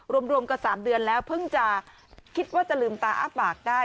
รวมกับ๓เดือนแล้วเพิ่งจะคิดว่าจะลืมตาอ้าปากได้